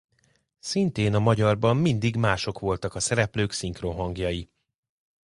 Szintén a magyarban mindig mások voltak a szereplők szinkronhangjai.